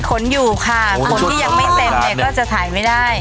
ขนอยู่ค่ะขนที่ยังไม่เต็มเนี่ยก็จะถ่ายไม่ได้